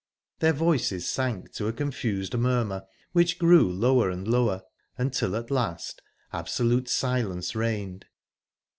Their voices sank to a confused murmur, which grew lower and lower, until at last absolute silence reigned.